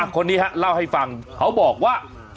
คนนี้เล่าให้ฟังเขาบอกว่า